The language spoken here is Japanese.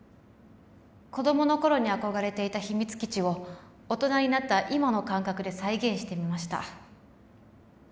子供の頃に憧れていた秘密基地を大人になった今の感覚で再現してみました